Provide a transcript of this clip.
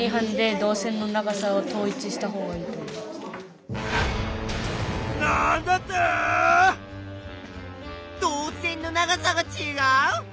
導線の長さがちがう？